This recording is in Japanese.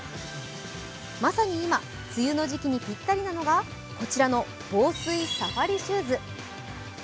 まさに今、梅雨の時期にぴったりなのが、こちらの防水サファリシューズ。